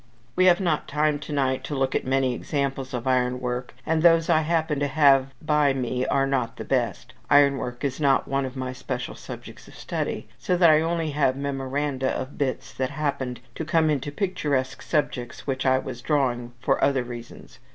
We have not time to night to look at many examples of ironwork; and those I happen to have by me are not the best; ironwork is not one of my special subjects of study; so that I only have memoranda of bits that happened to come into picturesque subjects which I was drawing for other reasons.